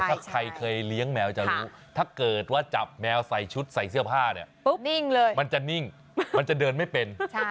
ใครเคยเลี้ยงแมวจะรู้ถ้าเกิดว่าจับแมวใส่ชุดใส่เสื้อผ้ามันจะนิ่งมันจะเดินไม่เป็น